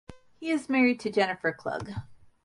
He is married to Jennifer Klug.